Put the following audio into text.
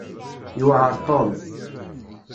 Yuɛeṛ Tom.